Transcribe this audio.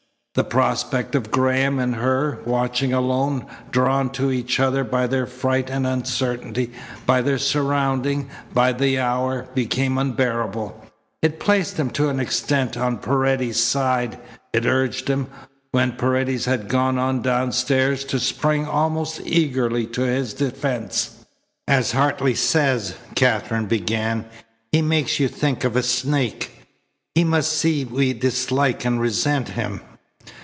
The prospect of Graham and her, watching alone, drawn to each other by their fright and uncertainty, by their surroundings, by the hour, became unbearable. It placed him, to an extent, on Paredes's side. It urged him, when Paredes had gone on downstairs, to spring almost eagerly to his defence. "As Hartley says," Katherine began, "he makes you think of a snake. He must see we dislike and resent him."